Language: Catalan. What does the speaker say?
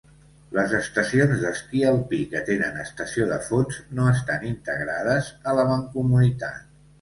Les estacions d'esquí alpí que tenen estacions de fons, no estan integrades a la mancomunitat.